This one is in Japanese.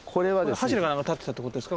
柱か何か立ってたってことですか？